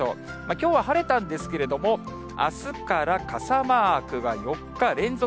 きょうは晴れたんですけれども、あすから傘マークが４日連続。